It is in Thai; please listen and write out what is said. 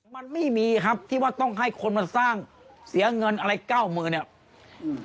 มันไม่มีครับที่ว่าต้องให้คนมาสร้างเสียเงินอะไรเก้ามือเนี้ยอืม